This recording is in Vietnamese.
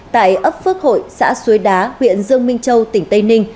tại ấp phước hội xã suối đá huyện dương minh châu tỉnh tây ninh